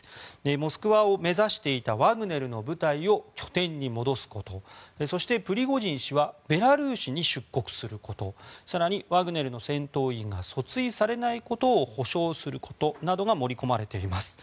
モスクワを目指していたワグネルの部隊を拠点に戻すことそして、プリゴジン氏はベラルーシに出国すること更に、ワグネルの戦闘員が訴追されないことを保証することなどが盛り込まれています。